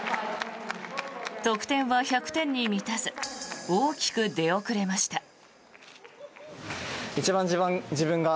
得点は１００点に満たず大きく出遅れました。